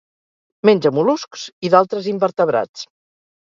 Menja mol·luscs i d'altres invertebrats.